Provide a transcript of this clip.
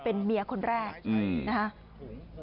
เป็นเมียคนแรกนะฮะ